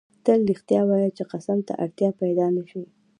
تل رښتیا وایه چی قسم ته اړتیا پیدا نه سي